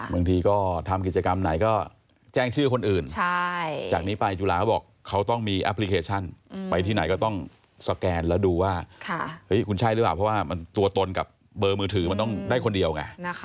บางทีก็ทำกิจกรรมไหนก็แจ้งชื่อคนอื่น